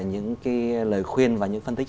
những cái lời khuyên và những phân tích